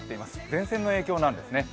前線の影響なんですね。